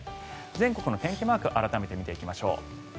全国の天気マーク改めて見ていきましょう。